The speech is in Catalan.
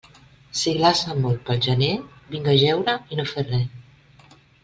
Si glaça molt pel gener, vinga jeure i no fer res.